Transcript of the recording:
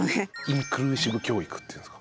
インクルーシブ教育って言うんですか。